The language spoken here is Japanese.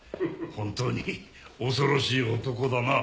本当に恐ろしい男だな。